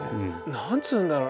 何つうんだろう